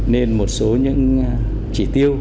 nên một số những trị tiêu